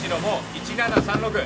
１７−３６